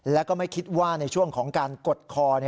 แล้วก็ไม่คิดว่าในช่วงของการกดคอ